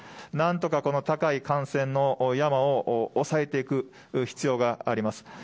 なんとかこの高い感染の山を抑えていく必要があります。